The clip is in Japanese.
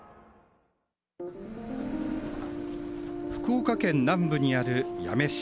福岡県南部にある八女市。